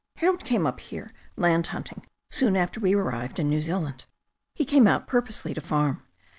"Harold came up here land hunting soon after we arrived in New Zealand. He came out purposely to farm.